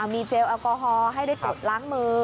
มีเจลแอลกอฮอล์ให้ได้กดล้างมือ